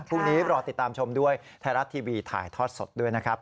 พรุ่งนี้รอติดตามชมด้วยไทยรัฐทีวีถ่ายทอดสดด้วยนะครับ